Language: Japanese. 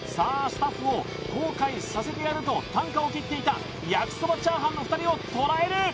スタッフを後悔させてやるとタンカを切っていた焼きそばチャーハンの２人を捉える